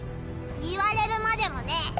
言われるまでもねぇ。